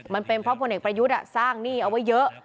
มันเป็นเพราะพลเอกประยุทธ์สร้างหนี้เอาไว้เยอะ